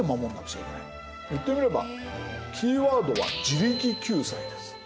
言ってみればキーワードは自力救済？